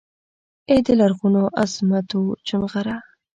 ای دلرغونوعظمتوچونغره!